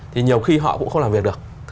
thì nhiều khi họ cũng không làm việc được